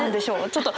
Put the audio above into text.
ちょっと。